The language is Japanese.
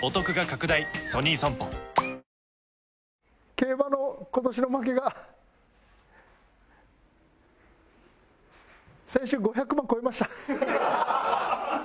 競馬の今年の負けが先週５００万超えました。